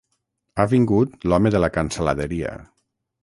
Ha vingut l'home de la cansaladeria.